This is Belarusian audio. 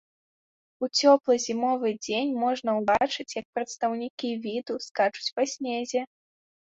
У цёплы зімовы дзень можна ўбачыць як прадстаўнікі віду скачуць па снезе.